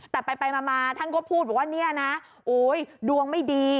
แต่ไปได้มาท่านก็พูดดูว่าดวงไม่ดี